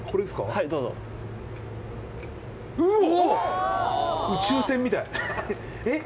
はいどうぞえっ？